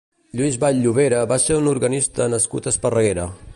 Lluís Vall-Llobera va ser un organista nascut a Esparreguera.